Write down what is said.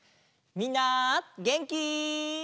みんなげんき？